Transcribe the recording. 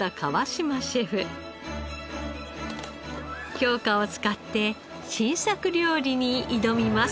京香を使って新作料理に挑みます。